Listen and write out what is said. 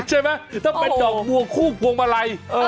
ใช่ไหมถ้าเป็นดอกบัวคู่พวงมาลัย